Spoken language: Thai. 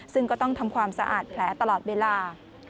ซึ่งก็ต้องทำความสะอาดแผลตลอดเวลา